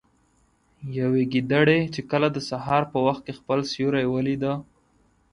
يوې ګيدړې چې کله د سهار په وخت كې خپل سيورى وليده